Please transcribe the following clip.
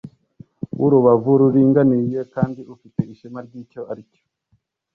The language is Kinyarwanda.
w’urubavu ruringaniye kandi ufite ishema ry’ icyo aricyo